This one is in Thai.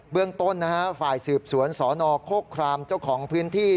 เรื่องต้นฝ่ายสืบสวนสนโครครามเจ้าของพื้นที่